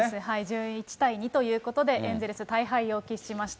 １１対２ということで、エンゼルス、大敗を喫しました。